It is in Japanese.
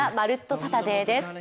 サタデー」です。